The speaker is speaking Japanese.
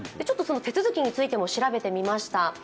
手続きについても調べてみました。